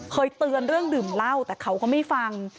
เคยเตือนเรื่องดื่มเหล้าแต่เขาก็ไม่ฟัง